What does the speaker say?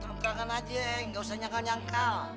tumpangkan aja gak usah nyangkal nyangkal